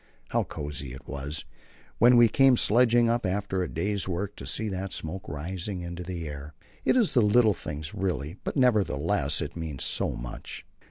How cosy it was, when we came sledging up after the day's work, to see that smoke rising into the air. It is a little thing really, but nevertheless it means so much.